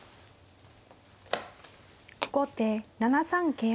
後手７三桂馬。